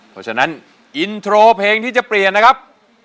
เพราะฉะนั้นอินโทรเพลงที่จะเปลี่ยนนะครับ